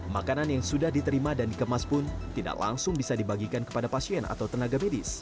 makanan yang sudah diterima dan dikemas pun tidak langsung bisa dibagikan kepada pasien atau tenaga medis